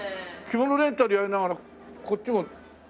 着物レンタルやりながらこっちも。